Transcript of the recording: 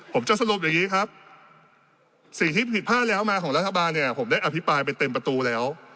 ผมจะสรุปอย่างนี้ครับสิ่งที่ผิดพลาดแล้วมาของรัฐบาลเนี่ยผมได้อภิปรายไปเต็มประตูแล้ว